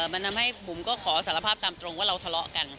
มันทำให้บุ๋มก็ขอสารภาพตามตรงว่าเราทะเลาะกัน